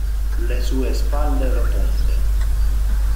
Le sue spalle rotonde.